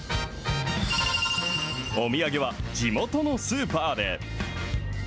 お土産は地元のスーパーで！